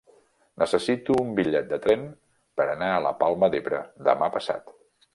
Necessito un bitllet de tren per anar a la Palma d'Ebre demà passat.